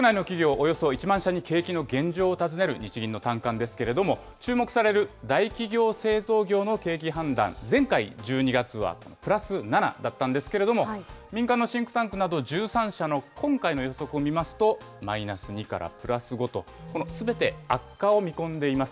およそ１万社に景気の現状を尋ねる日銀の短観ですけれども、注目される大企業・製造業の景気判断、前回・１２月はプラス７だったんですけれども、民間のシンクタンクなど１３社の今回の予測を見ますと、マイナス２からプラス５と、このすべて悪化を見込んでいます。